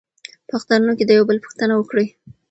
په اخترونو کې د یو بل پوښتنه وکړئ.